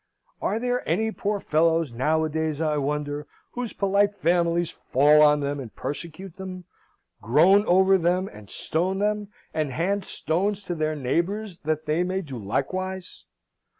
Are there any poor fellows nowadays, I wonder, whose polite families fall on them and persecute them; groan over them and stone them, and hand stones to their neighbours that they may do likewise?